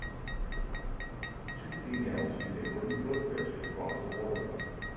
Two females use a wooden footbridge to cross a waterway.